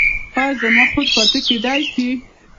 ایا زما خور پاتې کیدی شي؟